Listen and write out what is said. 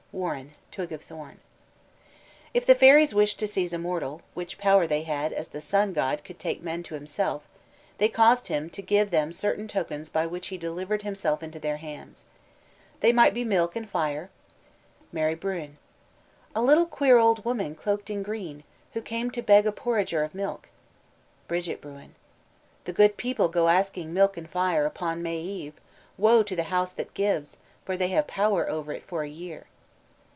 WARREN: Twig of Thorn. If the fairies wished to seize a mortal which power they had as the sun god could take men to himself they caused him to give them certain tokens by which he delivered himself into their hands. They might be milk and fire "Maire Bruin: A little queer old woman cloaked in green, Who came to beg a porringer of milk. Bridget Bruin: The good people go asking milk and fire Upon May Eve woe to the house that gives, For they have power over it for a year."